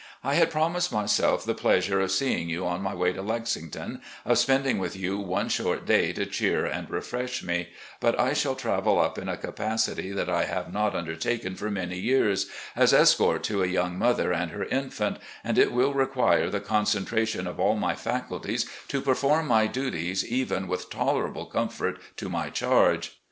I had promised myself the pleasure of seeing you on my way to Lexington, of spending with you one short day to cheer and refresh me ; but I shall travel up in THE NEW HOME IN LEXINGTON 365 a capacity that I have not undertaken for many years — ^as escort to a young mother and her infant, and it will require the concentration of all my faculties to perform my duties even with tolerable comfort to my charge.